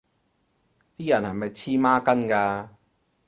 啲人係咪黐孖筋㗎